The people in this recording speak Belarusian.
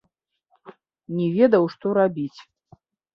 Не ведаў, што рабіць.